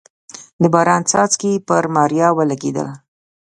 د باران څاڅکي پر ماريا ولګېدل.